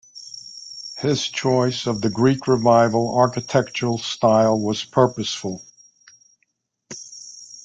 His choice of the Greek Revival architectural style was purposeful.